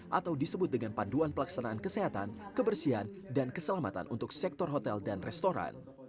dan juga disebut dengan panduan pelaksanaan kesehatan kebersihan dan keselamatan untuk sektor hotel dan restoran